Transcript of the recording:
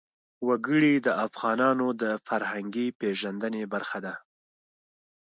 وګړي د افغانانو د فرهنګي پیژندنې برخه ده.